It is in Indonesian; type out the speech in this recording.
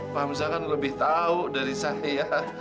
pak hamzah kan lebih tahu dari saya